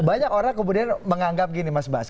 banyak orang kemudian menganggap gini mas bas